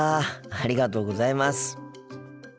ありがとうございます。